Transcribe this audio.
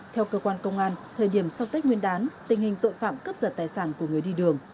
theo cơ quan công an thời điểm sau tết nguyên đán tình hình tội phạm cướp giật tài sản của người đi đường